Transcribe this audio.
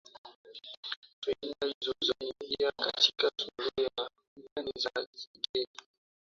fedha hizo zinaingia katika soko la ndani la fedha za kigeni